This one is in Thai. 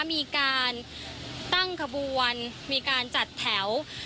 มีการตั้งขบวนมีการจัดแถว